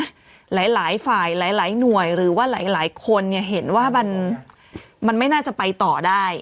หลายฝ่ายหลายหน่วยหรือว่าหลายคนเนี่ยเห็นว่ามันไม่น่าจะไปต่อได้